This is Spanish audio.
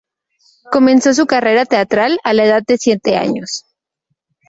Comenzó su carrera teatral a la edad de siete años.